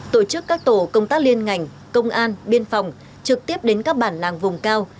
tổ chức các tổ công tác liên ngành công an biên phòng trực tiếp đến các bản làng vùng cao